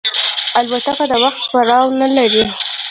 الوتکه د وخت پروا نه لري.